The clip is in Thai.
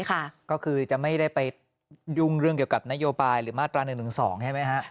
ก็คือจะไม่ได้ไปยุ่งเรื่องเกี่ยวกับนโยบายหรือมาตรา๑๑๒ใช่ไหมฮะ